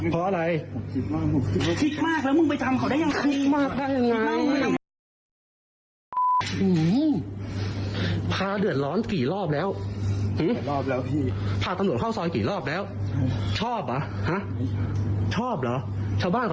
ชอบเหรอชาวบ้านเขาชอบกันไหม